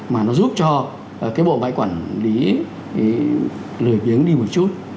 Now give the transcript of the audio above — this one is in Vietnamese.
mà nó giúp cho cái bộ bãi quản lý lười biếng đi một chút